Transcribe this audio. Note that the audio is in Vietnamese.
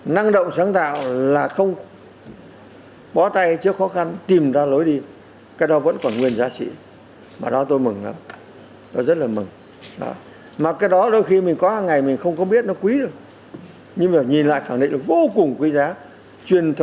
năng động sáng tạo là không bó tay trước khó khăn